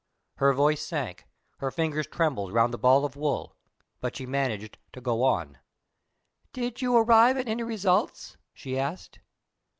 Her voice sank, her fingers trembled round the ball of wool; but she managed to go on. "Did you arrive at any results?" she asked.